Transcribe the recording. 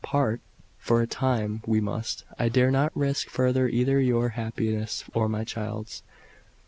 "Part?" "For a time, we must. I dare not risk further either your happiness or my child's."